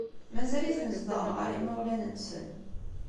Mazal-iten zedɣen ɣer yimawlan-nsen.